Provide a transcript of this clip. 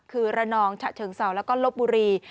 คือระนองฉะเชิงเศร้าแล้วก็ลบบุรี